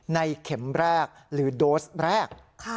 เข็มแรกหรือโดสแรก